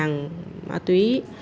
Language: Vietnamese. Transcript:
hàng ma túy